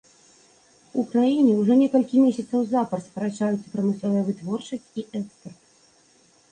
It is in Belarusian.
У краіне ўжо некалькі месяцаў запар скарачаюцца прамысловая вытворчасць і экспарт.